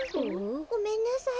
ごめんなさい。